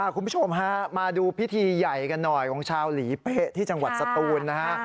คุณผู้ชมฮะมาดูพิธีใหญ่กันหน่อยของชาวหลีเป๊ะที่จังหวัดสตูนนะฮะ